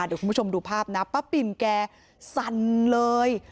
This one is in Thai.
เดี๋ยวคุณผู้ชมดูภาพนะป้าปิ่นแกสั่นเลย